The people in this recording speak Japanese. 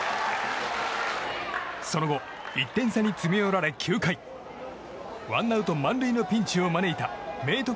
その後、１点差に詰め寄られ９回ワンアウト満塁のピンチを招いた明徳